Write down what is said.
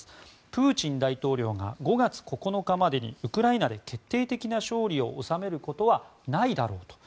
プーチン大統領が５月９日にまでにウクライナで決定的な勝利を収めることはないだろうと。